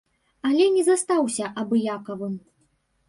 Але не застаўся абыякавым.